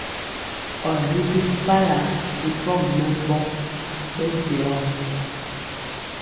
Or ri bi mpala ri pɔgi mɛbɔ bejɛɔ.